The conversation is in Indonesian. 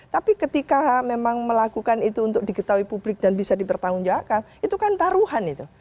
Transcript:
tapi ketika memang melakukan itu untuk diketahui publik dan bisa dipertanggungjawabkan itu kan taruhan itu